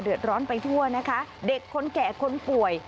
เดือดร้อนไปทั่วนะคะเด็กคนแก่คนป่วย